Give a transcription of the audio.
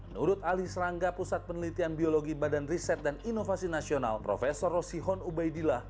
menurut ahli serangga pusat penelitian biologi badan riset dan inovasi nasional prof rosihon ubaidillah